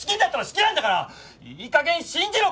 いい加減信じろ！